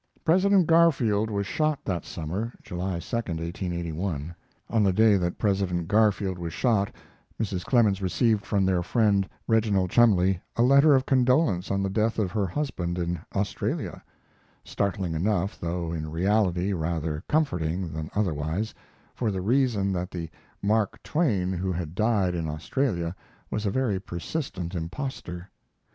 President Garfield was shot that summer July 2, 1881. [On the day that President Garfield was shot Mrs. Clemens received from their friend Reginald Cholmondeley a letter of condolence on the death of her husband in Australia; startling enough, though in reality rather comforting than otherwise, for the reason that the "Mark Twain" who had died in Australia was a very persistent impostor.